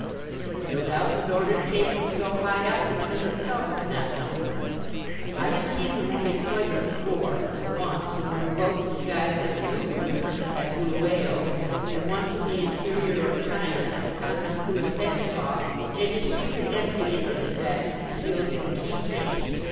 No doubt his orders came from so high up that he himself did not know. I had seen him only twice before once when we were both disguised as Zulus at Buluwayo, and once in the interior of China, at the time when Poulispantzoff made his secret entry into Thibet concealed in a tea case.